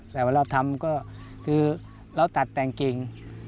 แต่ว่าเราตัดแตงกิ่ง